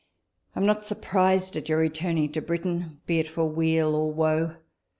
I am not surprised at your returning to Britain, be it for weal or woe.